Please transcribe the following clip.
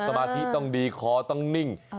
สมาธิต้องดีคอต้องนิ่ง